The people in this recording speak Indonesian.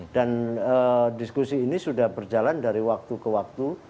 dan diskusi ini sudah berjalan dari waktu ke waktu